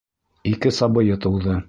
Ике сабыйы тыуҙы.